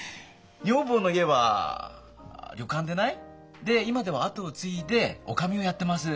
女房の家は旅館でないで今では後を継いで女将をやってます。